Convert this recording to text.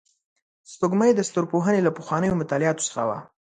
سپوږمۍ د ستورپوهنې له پخوانیو مطالعاتو څخه وه